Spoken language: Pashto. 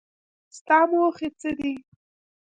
ستا موخې څه دي ؟